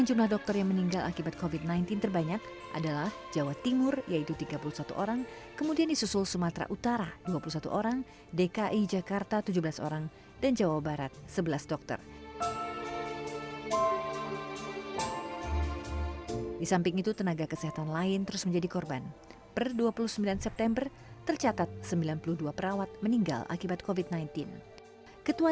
jangan lupa like share dan subscribe ya